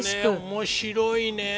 面白いね。